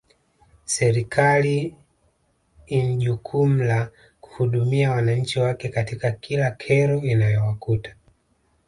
Serikali in jukumu la kuhudumia wananchi wake katika kila kero inayowakuta